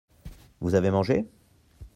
Vous avez mangé ?